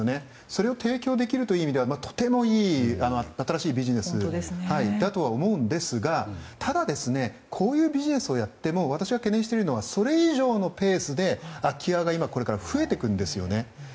それを提供するという意味では新しいビジネスだとは思うんですがただこういうビジネスをやっても私が懸念しているのはそれ以上のペースで、空き家がこれから増えてくるんですよね。